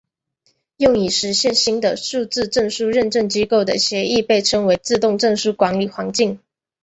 用以实现新的数字证书认证机构的协议被称为自动证书管理环境。